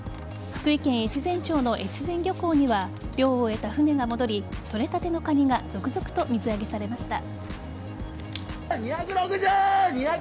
福井県越前町の越前漁港には漁を終えた船が戻り取れたてのカニが続々と水揚げされました。